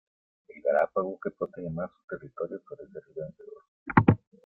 El galápago que protege más su territorio suele ser el vencedor.